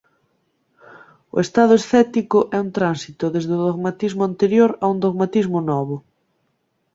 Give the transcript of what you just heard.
O estado escéptico é un tránsito desde un dogmatismo anterior a un dogmatismo novo.